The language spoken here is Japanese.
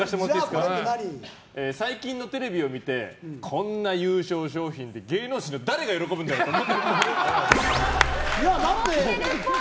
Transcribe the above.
最近のテレビを見てこんな優勝賞品で芸能人の誰が喜ぶんだよ！と思ってるっぽい。